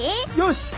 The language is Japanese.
よし！